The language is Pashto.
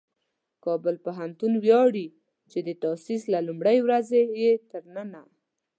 کابل پوهنتون ویاړي چې د تاسیس له لومړۍ ورځې یې تر ننه